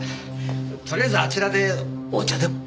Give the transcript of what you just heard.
とりあえずあちらでお茶でも。